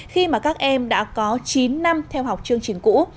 khi mà các em đã có chín năm theo học chương trình cũ